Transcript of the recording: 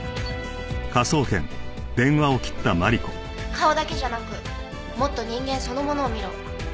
「顔だけじゃなくもっと人間そのものを見ろ」。